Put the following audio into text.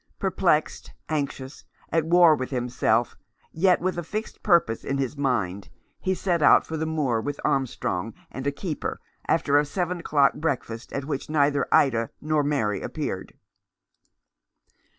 Perplexed, anxious, at war with himself, yet with a fixed purpose in his mind, he set out for the moor with Armstrong and a keeper, after a seven o'clock breakfast at which neither Ida nor Mary appeared.